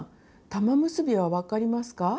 玉結びは分かりますか？